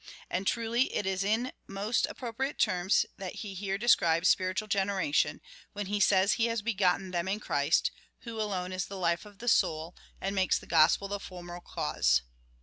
And truly it is in most appro priate terms that he here describes spiritual generation, when he says that he has begotten them in Christ, who alone is the life of the soul, and makes the gospel the formal cause.